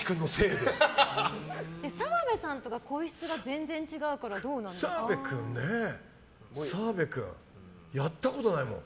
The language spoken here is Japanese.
澤部さんとか声質が全然違うからやったことないもん。